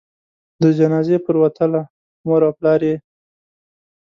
د جنازې پروتله؛ مور او پلار یې